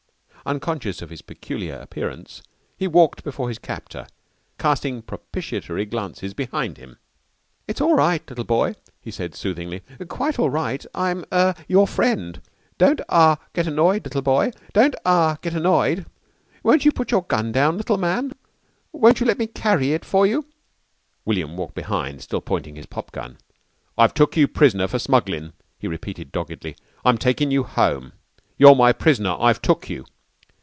Unconscious of his peculiar appearance, he walked before his captor, casting propitiatory glances behind him. "It's all right, little boy," he said soothingly, "quite all right. I'm er your friend. Don't ah get annoyed, little boy. Don't ah get annoyed. Won't you put your gun down, little man? Won't you let me carry it for you?" William walked behind, still pointing his pop gun. "I've took you prisoner for smugglin'," he repeated doggedly. "I'm takin' you home. You're my prisoner. I've took you."